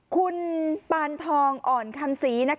คุณปานทองอ่อนคำศรี